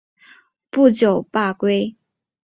不久罢归。